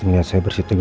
ni ada berapa ni